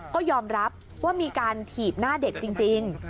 ก็ยอมรับว่ามีการถีบหน้าเด็กจริง